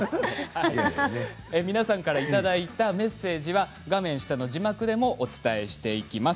皆さんからいただいたメッセージは画面下の字幕でもお伝えしていきます。